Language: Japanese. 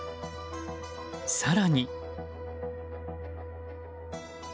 更に。